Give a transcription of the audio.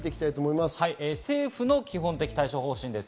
政府の基本的対処方針です。